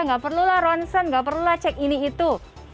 nggak perlulah ronsen gak perlulah cek ini itu